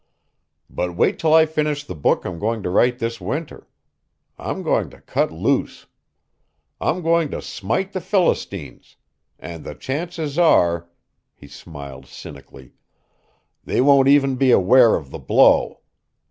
But wait till I finish the book I'm going to write this winter. I'm going to cut loose. I'm going to smite the Philistines and the chances are," he smiled cynically, "they won't even be aware of the blow.